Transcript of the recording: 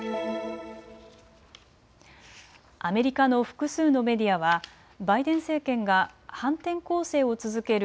アメリカの複数のメディアはバイデン政権が反転攻勢を続ける